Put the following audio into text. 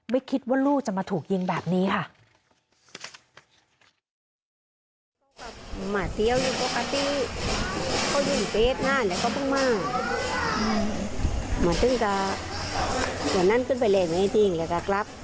ไม่คิดว่าลูกจะมาถูกยิงแบบนี้ค่ะ